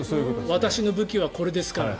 私の武器はこれですから。